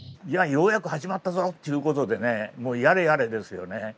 ようやく始まったぞっていうことでねもうやれやれですよね。